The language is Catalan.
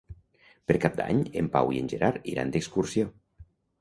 Per Cap d'Any en Pau i en Gerard iran d'excursió.